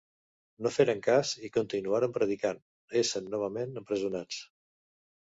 No feren cas i continuaren predicant, essent novament empresonats.